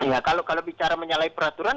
ya kalau bicara menyalahi peraturan